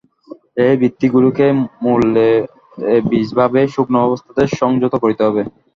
ঐ বৃত্তিগুলিকে মূলে বীজভাবেই সূক্ষ্মাবস্থাতেই সংযত করিতে হইবে।